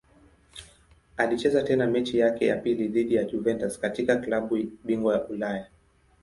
Alicheza tena mechi yake ya pili dhidi ya Juventus katika klabu bingwa Ulaya.